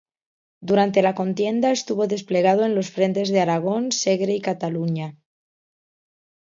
Durante la contienda estuvo desplegado en los frentes de Aragón, Segre y Cataluña.